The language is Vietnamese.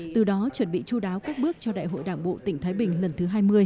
từ đó chuẩn bị chú đáo các bước cho đại hội đảng bộ tỉnh thái bình lần thứ hai mươi